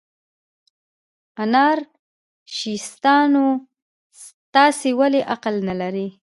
انارشیستانو، تاسې ولې عقل نه لرئ؟